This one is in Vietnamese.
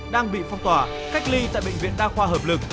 đang bị phong tỏa cách ly tại bệnh viện đa khoa hợp lực